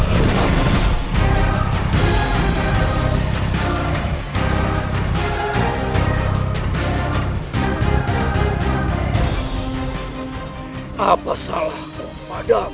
hai apa salahku padamu